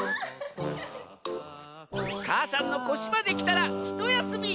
母山のこしまできたらひとやすみ！